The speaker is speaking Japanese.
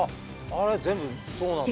あれ全部そうなんだ。